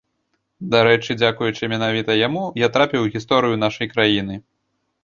Дарэчы, дзякуючы менавіта яму, я трапіў у гісторыю нашай краіны.